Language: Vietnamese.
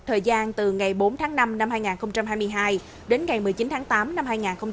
thời gian từ ngày bốn tháng năm năm hai nghìn hai mươi hai đến ngày một mươi chín tháng tám năm hai nghìn hai mươi ba